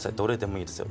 いいですよ